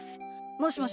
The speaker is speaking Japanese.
もしもし？